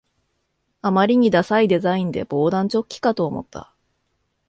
あまりにダサいデザインで防弾チョッキかと思った